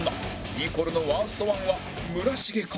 ニコルのワースト１は村重か？